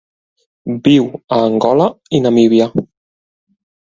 Viu a Angola i Namíbia.